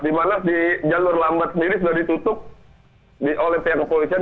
di mana di jalur lambat sendiri sudah ditutup oleh pihak kepolisian